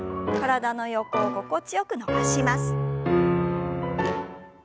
体の横を心地よく伸ばします。